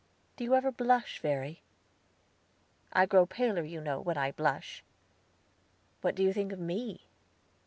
"Do you ever blush, Verry?" "I grow paler, you know, when I blush." "What do you think of me?"